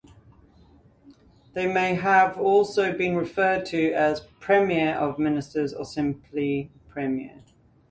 They may have also been referred to as Premier of Ministers, or simply premier.